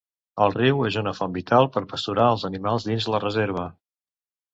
El riu és una font vital per pasturar els animals dins la reserva.